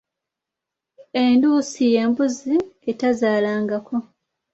Enduusi y’embuzzi atazaalangako.